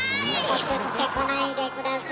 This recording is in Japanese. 送ってこないで下さい。